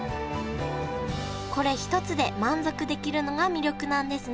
これ一つで満足できるのが魅力なんですね